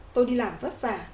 tôi đi làm vất vả